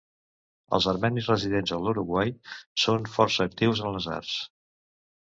Els armenis residents a l'Uruguai són força actius en les arts.